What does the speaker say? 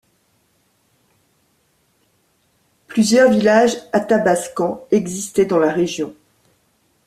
Plusieurs villages athabaskans existaient dans la région.